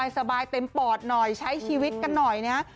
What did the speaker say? สบายเต็มปอดหน่อยใช้ชีวิตกันหน่อยนะฮะ